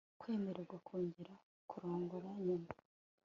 kwemererwa kongera kurongora nyuma